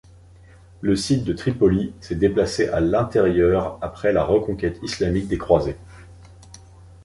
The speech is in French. Le site de Tripolis s'est déplacé à l'intérieur après la reconquête islamique des croisés.